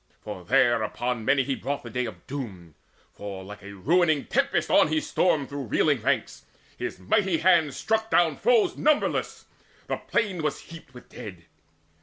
There upon many he brought the day of doom; For like a ruining tempest on he stormed Through reeling ranks. His mighty hand struck down Foes numberless: the plain was heaped with dead.